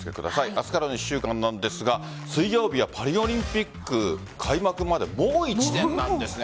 明日からの１週間なんですが水曜日はパリオリンピック開幕までもう１年なんですね。